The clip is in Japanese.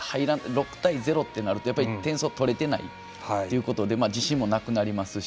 ６対０となるとやっぱり点数を取れていないということで自信もなくなりますし。